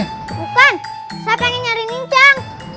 bukan saya pengen nyari ini cang